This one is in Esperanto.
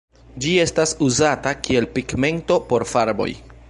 Ĝi estas uzata kiel pigmento por farboj.